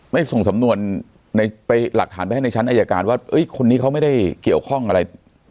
ไม่ส่งสำนวนไปหลักฐานไปให้ในชั้นอายการว่าคนนี้เขาไม่ได้เกี่ยวข้องอะไร